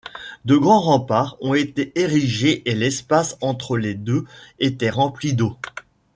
De grands remparts ont été érigés et l'espace entre les deux était rempli d'eau.